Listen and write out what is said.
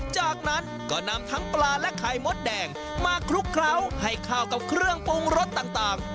จากนั้นก็นำทั้งปลาและไข่มดแดงมาคลุกเคล้าให้เข้ากับเครื่องปรุงรสต่าง